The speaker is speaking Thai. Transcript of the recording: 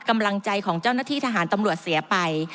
กำลังใจของเจ้าหน้าที่ทหารตำรวจเสียไป